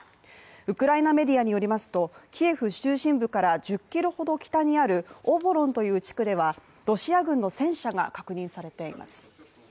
ウクライナメディアによりますとキエフ中心部から１０ｋｍほど北にあるオボロンという地区では、ロシア軍の戦車が確認されています。